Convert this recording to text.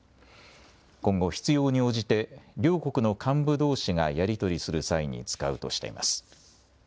今後、必要に応じて両国の幹部どうしがやり取りする際に使うとしています。